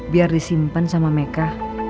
biar disimpan sama meka